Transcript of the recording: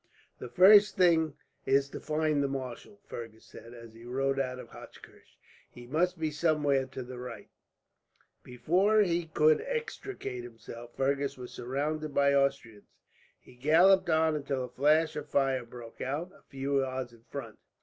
"The first thing is to find the marshal," Fergus said, as he rode out of Hochkirch. "He must be somewhere to the right." [Illustration: Before he could extricate himself, Fergus was surrounded by Austrians] He galloped on until a flash of fire burst out, a few yards in front.